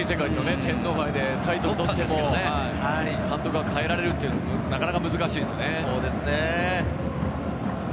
天皇杯でタイトルを取っても監督が変えられるというのはなかなか難しいですよね。